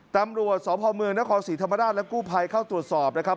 ตำรวจสพเมืองนครศรีธรรมราชและกู้ภัยเข้าตรวจสอบนะครับ